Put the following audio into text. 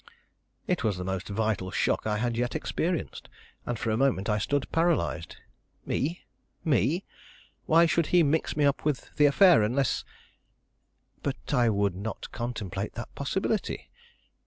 It was the most vital shock I had yet experienced; and for a moment I stood paralyzed. Me! me! Why should he mix me up with the affair unless but I would not contemplate that possibility.